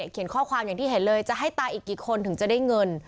เขียนข้อความอย่างที่เห็นเลยจะให้ตายอีกกี่คนถึงจะได้เงิน